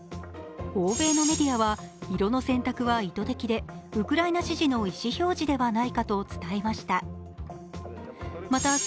欧米のメディアは色の選択は意図的でウクライナ支持の意思表示ではないかと伝えました。